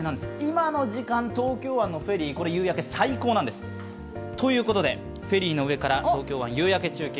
今の時間、東京湾のフェリーの夕焼け、最高なんです。ということで、フェリーの上から東京湾夕焼け中継。